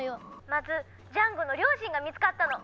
☎まずジャンゴの両親が見つかったの。